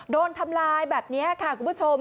โดนทำลายแบบนี้ค่ะคุณผู้ชม